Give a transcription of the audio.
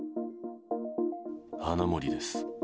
花森です。